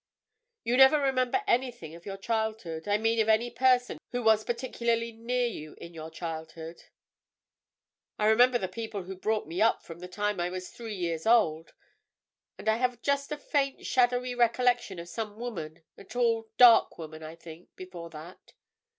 "You never remember anything of your childhood—I mean of any person who was particularly near you in your childhood?" "I remember the people who brought me up from the time I was three years old. And I have just a faint, shadowy recollection of some woman, a tall, dark woman, I think, before that."